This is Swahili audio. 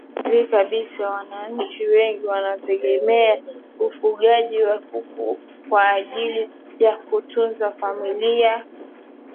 Ni wazi kabisa wananchi wengi wanategemea ufugaji wa kuku kwa ajili ya kutunza familia